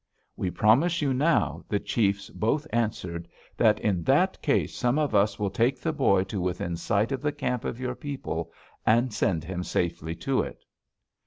"'We promise you now,' the chiefs both answered, 'that in that case some of us will take the boy to within sight of the camp of your people, and send him safely to it.'